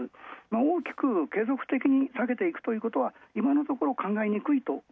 大きく継続的に下げていくのは今のところ考えにくいと。